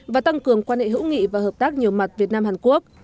và tăng cường quan hệ hữu nghị và hợp tác nhiều mặt việt nam hàn quốc